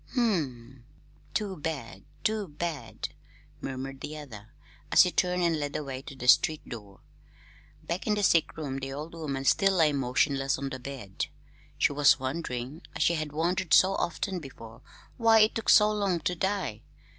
"Hm m; too bad, too bad!" murmured the other, as he turned and led the way to the street door. Back in the sick room the old woman still lay motionless on the bed. She was wondering as she had wondered so often before why it took so long to die.